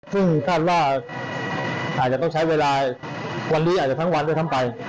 ซึ่งคาดว่าอาจจะต้องใช้เวลาวันนี้อาจจะทั้งวันด้วยซ้ำไป